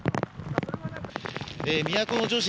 都城市